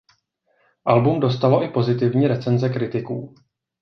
Album dostalo i pozitivní recenze kritiků.